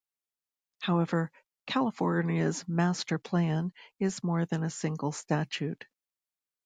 However, California's Master Plan is more than a single statute.